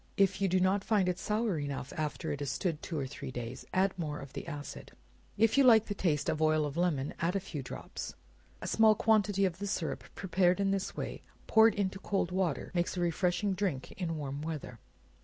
If you do not find it sour enough, after it has stood two or three days, add more of the acid. If you like the taste of oil of lemon, add a few drops. A small quantity of the syrup prepared in this way, poured into cold water, makes a refreshing drink in warm weather.